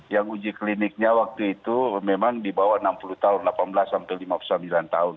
yang uji kliniknya waktu itu memang di bawah enam puluh tahun delapan belas sampai lima puluh sembilan tahun